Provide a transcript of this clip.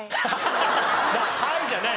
「はい」じゃない。